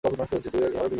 তুমি এটা আরও বিগড়ে দিচ্ছ।